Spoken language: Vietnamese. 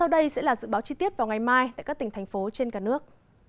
đây sẽ là dự báo chi tiết vào ngày mai tại các tỉnh thành phố trên cả nước